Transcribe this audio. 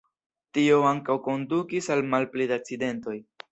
Tio ankaŭ kondukis al malpli da akcidentoj.